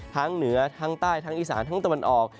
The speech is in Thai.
เหนือทั้งใต้ทั้งอีสานทั้งตะวันออก